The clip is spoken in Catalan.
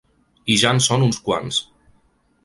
I ja en són uns quants.